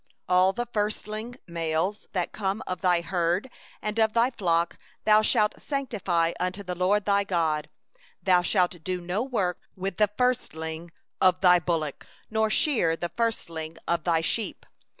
19All the firstling males that are born of thy herd and of thy flock thou shalt sanctify unto the LORD thy God; thou shalt do no work with the firstling of thine ox, nor shear the firstling of thy flock.